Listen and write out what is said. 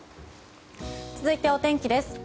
続いて、お天気です。